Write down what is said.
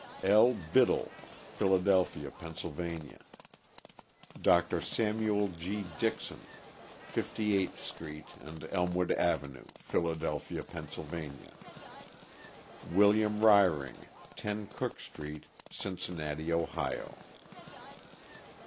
L. Biddle, Philadelphia, Penn.; Dr. Samuel G. Dixon, Fifty eighth street and Elmwood avenue, Philadelphia, Penn. ; William Reiring, 10 Cook street, Cincinnati, Ohio.